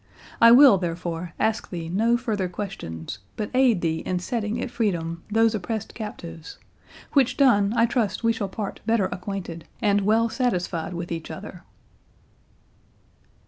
I will, therefore, ask thee no further questions, but aid thee in setting at freedom these oppressed captives; which done, I trust we shall part better acquainted, and well satisfied with each other."